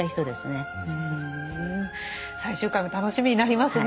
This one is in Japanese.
最終回も楽しみになりますね。